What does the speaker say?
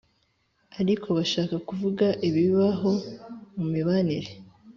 ariko bashaka kuvuga ibibaho mu mibanire.